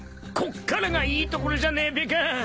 こっからがいいところじゃねえべか。